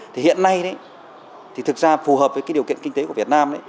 thì hiện nay thực ra phù hợp với điều kiện kinh tế của việt nam